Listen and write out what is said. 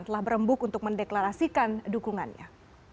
telah berembuk untuk mendeklarasikan dukungannya